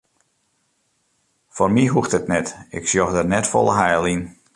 Foar my hoecht it net, ik sjoch der net folle heil yn.